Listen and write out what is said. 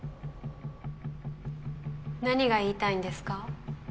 何が言いたいんですか？